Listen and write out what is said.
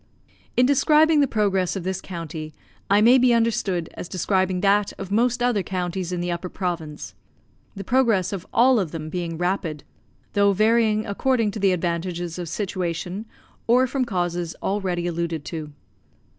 In describing the progress of this county, I may be understood as describing that of most other counties in the Upper Province; the progress of all of them being rapid, though varying according to the advantages of situation or from causes already alluded to.